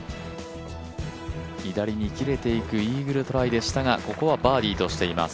左に切れていくイーグルトライでしたが、ここはバーディーとしています。